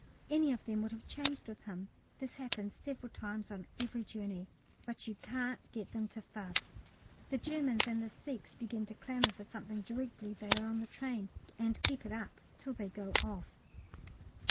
Any of them would have changed with him. This happens several times on every journey, but you can't get them to fuss. The Germans and the Sikhs begin to clamour for something directly they are on the train, and keep it up till they go off.